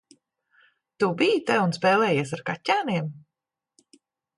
Tu biji te un spēlējies ar kaķēniem?